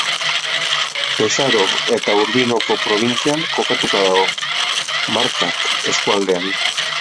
Pesaro eta Urbinoko probintzian kokatuta dago, Markak eskualdean.